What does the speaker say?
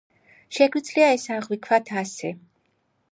შეგვიძლია ეს აღვიქვათ ასე.